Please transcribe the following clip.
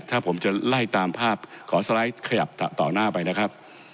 ถ้าผมจะไล่ตามภาพขอสไลด์ขยับต่อหน้าไปนะครับ